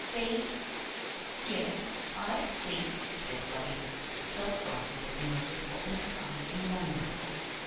See?" "Yes, I see," said Bobby, so crossly that Margaret opened her eyes in wonder.